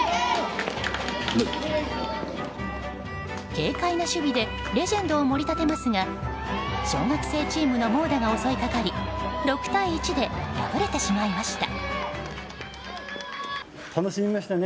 軽快な守備でレジェンドを盛り立てますが小学生チームの猛打が襲いかかり６対１で敗れてしまいました。